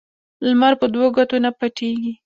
لمر په دوو ګوتو نه پټیږي